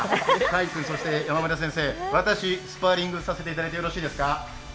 魁君、山本先生、私、スパーリングさせていただいてよろしいですか？